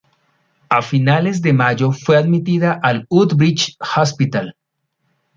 A finales de mayo fue admitida al Woodbridge Hospital.